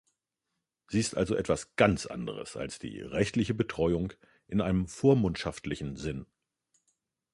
Sie ist also etwas ganz anderes als die "rechtliche Betreuung" in einem vormundschaftlichen Sinn.